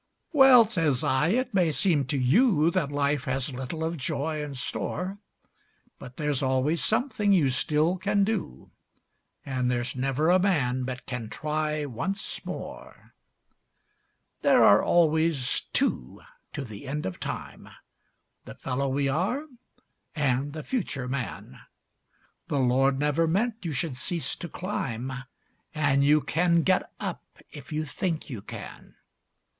"Well," says I, "it may seem to you That life has little of joy in store, But there's always something you still can do, And there's never a man but can try once more. [Illustration: "His Other Chance" From a drawing by W. T. BENDA.] "There are always two to the end of time The fellow we are and the future man. The Lord never meant you should cease to climb, And you can get up if you think you can.